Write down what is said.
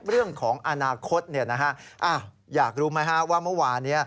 เรื่องของอนาคตอยากรู้ไหมว่าเมื่อวานนี้